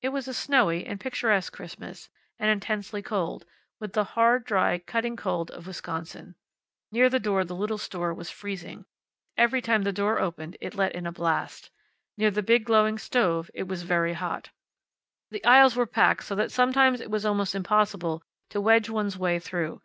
It was a snowy and picturesque Christmas, and intensely cold, with the hard, dry, cutting cold of Wisconsin. Near the door the little store was freezing. Every time the door opened it let in a blast. Near the big glowing stove it was very hot. The aisles were packed so that sometimes it was almost impossible to wedge one's way through.